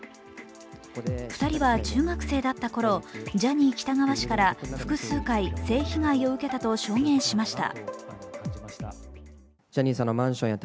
２人は中学生だったころ、ジャニー喜多川氏から複数回、性被害を受けたと証言しました。